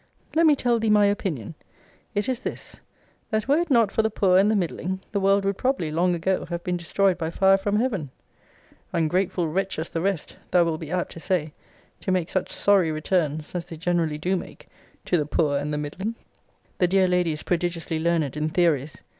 let me tell thee my opinion It is this, that were it not for the poor and the middling, the world would probably, long ago, have been destroyed by fire from Heaven. Ungrateful wretches the rest, thou wilt be apt to say, to make such sorry returns, as they generally do make, to the poor and the middling! This dear lady is prodigiously learned in theories.